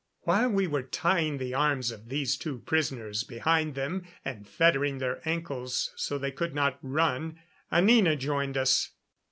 While we were tying the arms of these two prisoners behind them and fettering their ankles so they could not run Anina joined us.